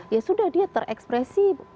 ya sudah dia terekspresi